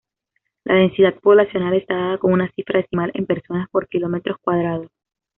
La densidad poblacional está dada con una cifra decimal en personas por kilómetro cuadrado.